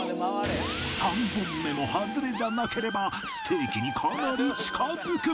３本目もハズレじゃなければステーキにかなり近付く！